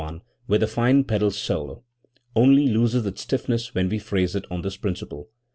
i) with the fine pedal solo, only loses its stiffness when we phrase it on this principle.